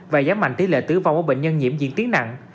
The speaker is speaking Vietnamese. và giảm mạnh tỷ lệ tứ vong của bệnh nhân nhiễm diễn tiến nặng